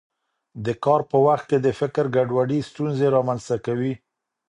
د کار په وخت کې د فکر ګډوډي ستونزې رامنځته کوي.